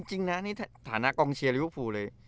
เอาจริงนะนี่ฐานะกองเชียร์ลิวฟูเลย